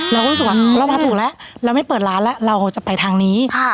เราก็รู้สึกว่าเรามาถูกแล้วเราไม่เปิดร้านแล้วเราจะไปทางนี้